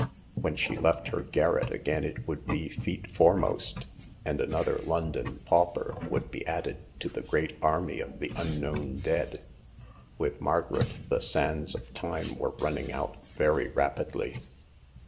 When she left her garret again it would be feet foremost ; and another London pauper would be added to the great army of the un known dead. With Margaret the sands of time were running out very rapidly.